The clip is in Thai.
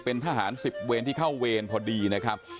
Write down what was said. เป้นผิดด้วยนะครับ